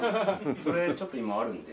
それちょっと今あるんで。